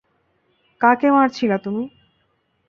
কাকে মারছিলা তুমি?